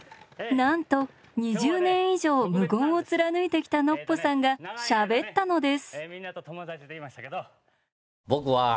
なんと２０年以上無言を貫いてきたノッポさんがしゃべったのです！